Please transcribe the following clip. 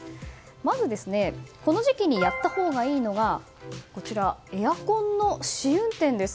まず、この時期にやったほうがいいのがエアコンの試運転です。